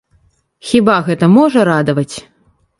Хіба гэта можа радаваць?